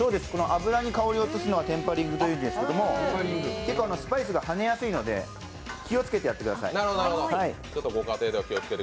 油に香りを落とすのはテンパリングというんですけども、スパイスがはねやすいので気をつけてやってください。